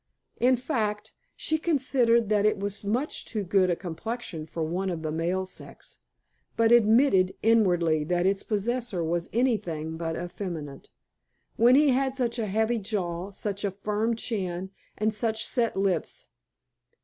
In fact, she considered that it was much too good a complexion for one of the male sex, but admitted inwardly that its possessor was anything but effeminate, when he had such a heavy jaw, such a firm chin, and such set lips.